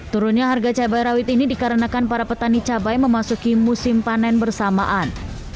turunnya harga cabai rawit ini dikarenakan para petani cabai memasuki musim panen bersamaan